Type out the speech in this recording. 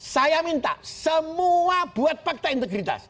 saya minta semua buat fakta integritas